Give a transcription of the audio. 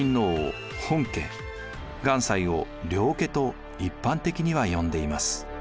願西を領家と一般的には呼んでいます。